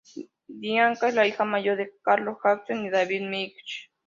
Bianca es la hija mayor de Carol Jackson y David Wicks.